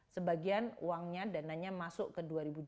sebagian uangnya dananya masuk ke dua ribu dua puluh